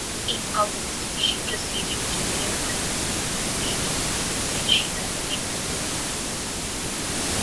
In August, she proceeded to Mare Island Navy Yard where she underwent overhaul.